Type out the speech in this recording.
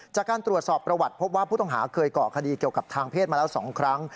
จากการตรวจสอบประวัติพบว่าผู้ต้องหาเคยเกาะคดีเกี่ยวกับทางเพศมาแล้ว๒ครั้ง